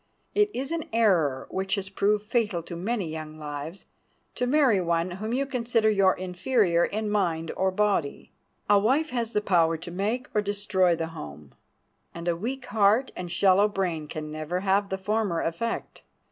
It is an error, which has proved fatal to many young lives, to marry one whom you consider your inferior in mind or body. A wife has the power to make or destroy the home, and a weak heart and shallow brain can never have the former effect.